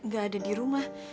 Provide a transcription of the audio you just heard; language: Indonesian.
gak ada di rumah